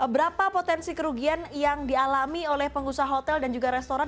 berapa potensi kerugian yang dialami oleh pengusaha hotel dan juga restoran